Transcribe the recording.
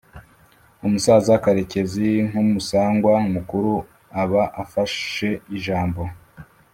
umusaza karekezi, nk’ umusangwa mukuru aba afashe ijambo